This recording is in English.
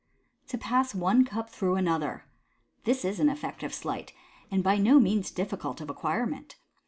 To Pass one Cup through another. — This is an effective sleight, and by no means difficult of acquirement.